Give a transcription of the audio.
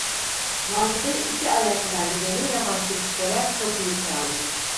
Macide iki ayak merdiveni yavaşça çıkarak kapıyı çaldı.